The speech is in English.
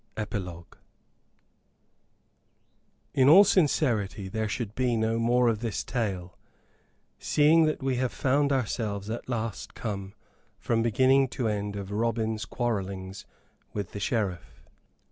EPILOGUE In all sincerity there should be no more of this tale, seeing that we have found ourselves at last come from beginning to end of Robin's quarrelings with the Sheriff.